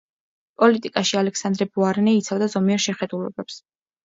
პოლიტიკაში ალექსანდრე ბოარნე იცავდა ზომიერ შეხედულებებს.